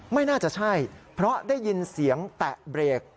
ไม่น่าจะใช่เพราะได้ยินเสียงแตะเบรก